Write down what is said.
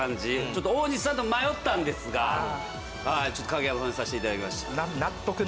ちょっと大西さんと迷ったんですがちょっと影山さんにさせて頂きました。